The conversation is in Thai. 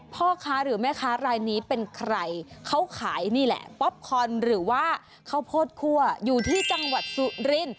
ตอนนี้เป็นใครเขาขายนี่แหละป๊อปคอนหรือว่าข้าวโพดคั่วอยู่ที่จังหวัดสุรินทร์